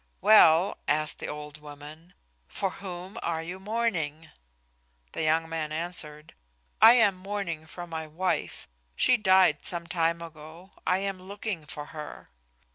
"Well," asked the old woman, "for whom are you mourning?" The young man answered, "I am mourning for my wife. She died some time ago. I am looking for her."